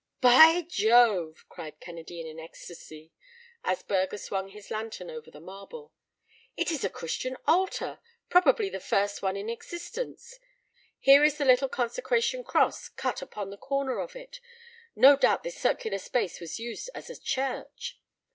"By Jove!" cried Kennedy in an ecstasy, as Burger swung his lantern over the marble. "It is a Christian altar—probably the first one in existence. Here is the little consecration cross cut upon the corner of it. No doubt this circular space was used as a church."